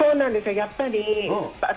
やっぱり、私、